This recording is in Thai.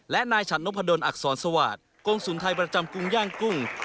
และนายฉันนพดลอักษรสวาสกงศูนย์ไทยประจำกุ้งย่างกุ้ง